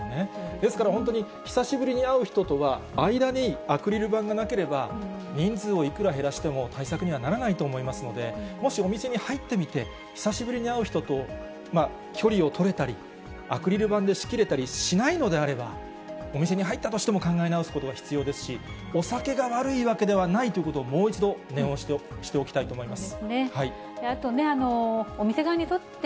ですから本当に久しぶりに会う人とは、間にアクリル板がなければ人数をいくら減らしても対策にはならないと思いますので、もしお店には行ってみて、久しぶりに会う人と距離を取れたり、アクリル板で仕切れたりしないのであれば、お店に入ったとしても考え直すことが必要ですし、お酒が悪いわけではないということを、もう一度念を押しておきたいと思います。